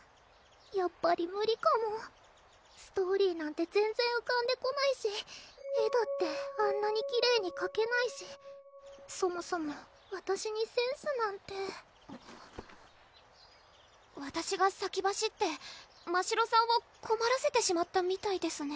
やっぱり無理かもストーリーなんて全然うかんでこないし絵だってあんなにきれいにかけないしそもそもわたしにセンスなんてわたしが先走ってましろさんをこまらせてしまったみたいですね